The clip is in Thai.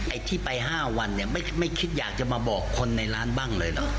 ไอ้ที่ไป๕วันเนี่ยไม่คิดอยากจะมาบอกคนในร้านบ้างเลยเหรอ